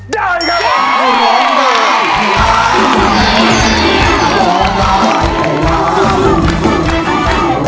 ได้ครับ